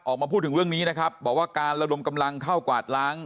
ออกมาพูดถึงเรื่องนี้นะครับบอกว่าการระดมกำลังเข้ากวาดล้าง